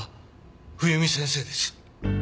冬水先生です。